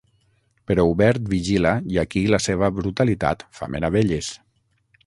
Però Hubert vigila i aquí la seva brutalitat fa meravelles.